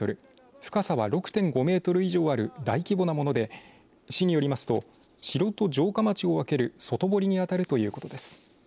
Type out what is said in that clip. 深さは６．５メートル以上ある大規模なもので、市によりますと城と城下町を分ける外堀に当たるということです。